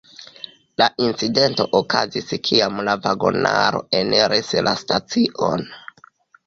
La incidento okazis kiam la vagonaro eniris la stacion.